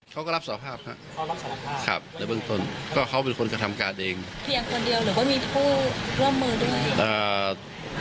เพียงคนเดียวหรือว่ามีผู้ร่วมมือด้วย